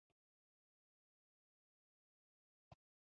Wy hiene wol wat oars oan 'e holle.